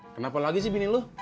kenapa lagi sih bini lo